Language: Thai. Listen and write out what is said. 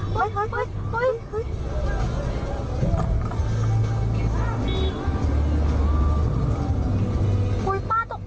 ุ้ปป๊าตกใจมากอะเกือบโดนป้าเขาอะ